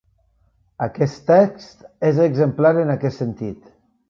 Aquest text és exemplar en aquest sentit.